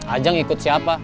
ajeng ikut siapa